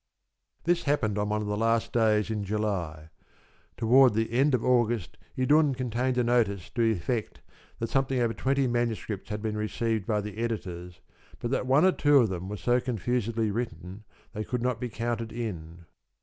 This happened on one of the last days in July. Toward the end of August Idun contained a notice to the effect that something over twenty manuscripts had been received by the editors, but that one or two among them were so confusedly written they could not be counted in.